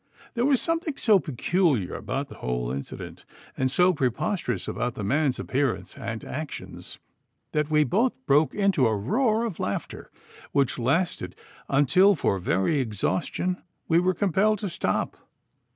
There was something so peculiar about the whole incident, and so preposterous about the man's appearance and actions, that we both broke into a roar of laughter, which lasted until for very exhaustion we were compelled to stop.